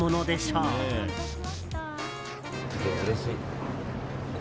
うれしい。